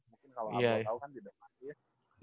mungkin kalau lama tau kan di depan